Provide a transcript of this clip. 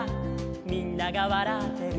「みんながわらってる」